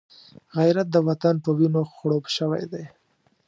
غیرت د وطن په وینو خړوب شوی دی